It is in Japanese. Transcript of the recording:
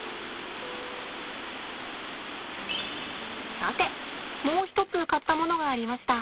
さてもう一つ買ったものがありました。